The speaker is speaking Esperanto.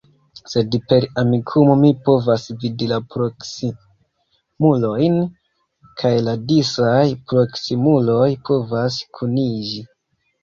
Sed per Amikumu mi povas vidi la proksimulojn, kaj la disaj proksimuloj povas kuniĝi.